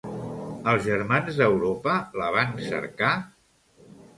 Els germans d'Europa la van cercar?